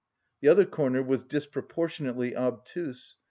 The other corner was disproportionately obtuse.